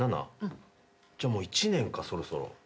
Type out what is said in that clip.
じゃあもう１年かそろそろ。